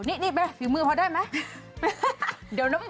นี่ไปฝีมือพอได้ไหม